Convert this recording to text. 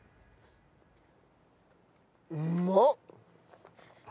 うまっ！